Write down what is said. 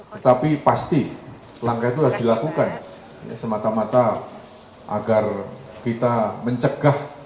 tetapi pasti langkah itu harus dilakukan semata mata agar kita mencegah